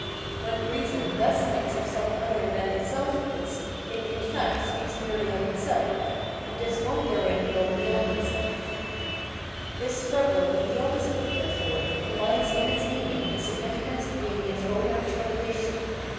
When reason thus speaks of some other than itself is, it The Struggle of Enlighienment ivitJi Superstition 555 in fact speaks merely of itself ; it does not therein go beyond itself. This struggle with the opposite, therefore, combines in its meaning the significance of being its own actualisa tion.